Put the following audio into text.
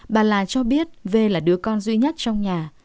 bà là cho biết v là đứa con duy nhất trong nhà